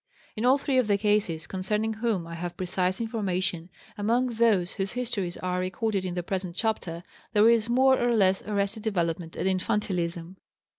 In all three of the cases concerning whom I have precise information, among those whose histories are recorded in the present chapter, there is more or less arrested development and infantilism.